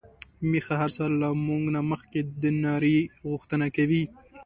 ميښه هر سهار له موږ نه مخکې د ناري غوښتنه کوي.